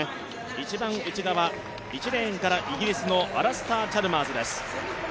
一番内側、１レーンからイギリスのアラスター・チャルマーズです。